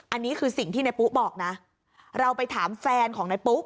อันนี้คือสิ่งที่ในปุ๊บอกนะเราไปถามแฟนของนายปุ๊